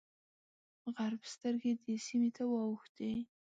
غرب سترګې دې سیمې ته واوښتې.